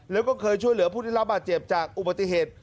แล้วก็เคยช่วยเหลือผู้ได้รับบาดเจ็บจากอุบัติเหตุ